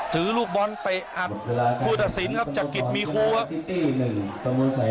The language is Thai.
ตัดสินครับจากกริดมีครูครับ